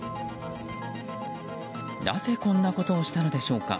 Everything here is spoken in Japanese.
なぜこんなことをしたのでしょうか。